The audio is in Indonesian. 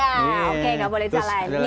oke nggak boleh salah